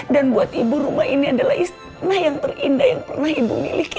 dan buat ibu rumah ini adalah istilah yang terindah yang pernah ibu miliki